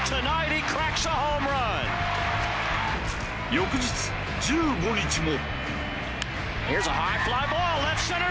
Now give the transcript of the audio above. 翌日１５日も。